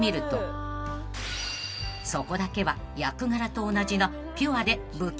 ［そこだけは役柄と同じな］